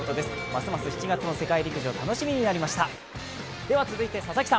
ますます７月の世界陸上、楽しみになりました。